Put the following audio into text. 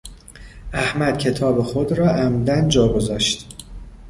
احمد کتاب خود را عمدا جا گذاشت.